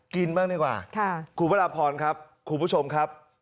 กินบ้างดีกว่าคุณพระราพรครับคุณผู้ชมครับ